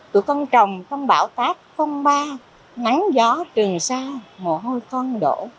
tụi con trồng con bảo tác con ba nắng gió trường xa mồ hôi con đổ